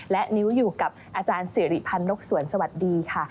และนิ้วอยู่กับอาจารย์สิริพันธ์นกสวนสวัสดีค่ะ